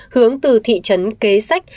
hướng từ thị trấn kế sách